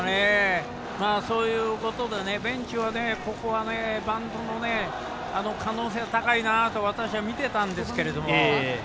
そういうことでベンチは、ここはバントの可能性が高いなと私は見ていたんですけども。